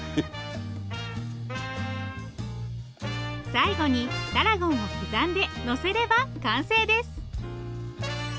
最後にタラゴンを刻んでのせれば完成です。